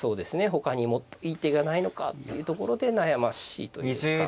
ほかにもっといい手がないのかっていうところで悩ましいというか。